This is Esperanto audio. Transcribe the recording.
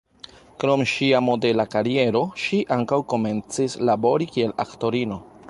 Krom ŝia modela kariero, ŝi ankaŭ komencis labori kiel aktorino.